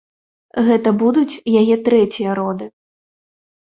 Гэта будуць яе трэція роды.